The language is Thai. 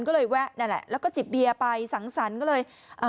ก็เลยแวะนั่นแหละแล้วก็จิบเบียร์ไปสังสรรค์ก็เลยอ่า